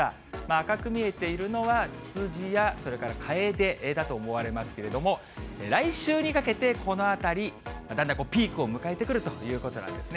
赤く見えているのは、ツツジやカエデだと思われますけれども、来週にかけてこの辺り、だんだんピークを迎えてくるということなんですね。